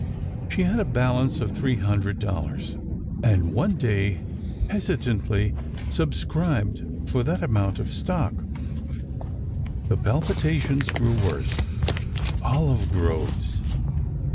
She had a balance of three hundred dollars, and one day hesitantly subscribed for that amount of stock. The palpitations grew worse. Olive groves!